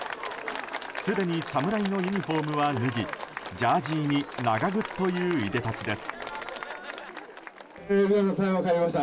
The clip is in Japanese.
すでに侍のユニホームは脱ぎジャージに長靴といういで立ちです。